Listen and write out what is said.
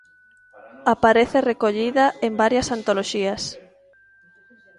Aparece recollida en varias antoloxías.